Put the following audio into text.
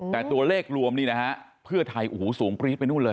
แต่ตัวเลขรวมนี่นะฮะเพื่อไทยโอ้โหสูงปรี๊ดไปนู่นเลย